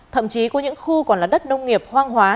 thậm chí có những khu còn là đất nông nghiệp hoang hóa